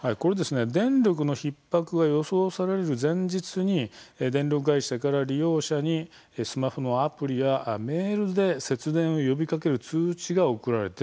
電力のひっ迫が予想される前日に電力会社から利用者にスマホのアプリやメールで節電を呼びかける通知が送られてきます。